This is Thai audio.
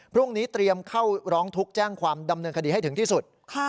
พรุ่งนี้เตรียมเข้าร้องทุกข์แจ้งความดำเนินคดีให้ถึงที่สุด